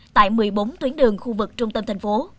tại một mươi bốn tuyến đường khu vực trung tâm thành phố